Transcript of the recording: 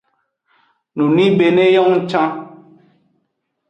Nunibe ne yong can.